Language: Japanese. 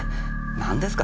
何ですか？